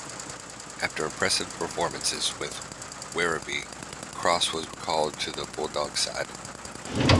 After impressive performances with Werribee, Cross was recalled to the Bulldogs side.